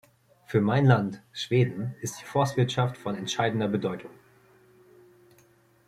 Für mein Land, Schweden, ist die Forstwirtschaft von entscheidender Bedeutung.